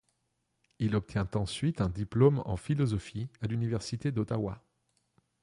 Il obtient ensuite un diplôme en philosophie à l'université d'Ottawa.